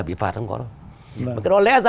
bị phạt không có đâu mà cái đó lẽ ra